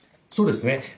そうですね。